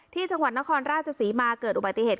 ที่จังหวัดนครราชศรีมาเกิดอุบัติเหตุ